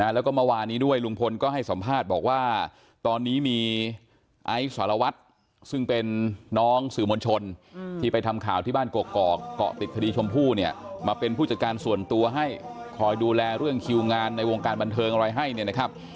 แล้วก็เมื่อวานนี้ด้วยลุงพลก็ให้สัมภาษณ์บอกว่าตอนนี้มีไอซ์สารวัตรซึ่งเป็นน้องสื่อมวลชนที่ไปทำข่าวที่บ้านกอกเกาะติดคดีชมพู่เนี่ยมาเป็นผู้จัดการส่วนตัวให้คอยดูแลเรื่องคิวงานในวงการบันเทิงอะไรให้เนี่ยนะครับ